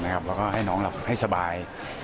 แล้วก็ให้น้องหลับให้สบาย